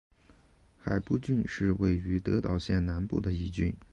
海部郡是位于德岛县南部的一郡。